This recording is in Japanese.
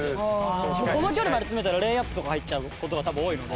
この距離まで詰めたらレイアップとか入っちゃう事が多分多いので。